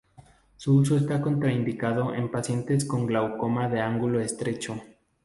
Su uso está contraindicado en pacientes con glaucoma de ángulo estrecho.